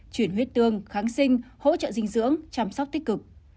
chuyển huyết tương kháng sinh hỗ trợ dinh dưỡng chăm sóc tích cực